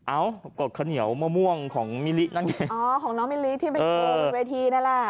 เอ้ากดข้าวเหนียวมะม่วงของมิลินั่นไงอ๋อของน้องมิลิที่ไปโชว์บนเวทีนั่นแหละ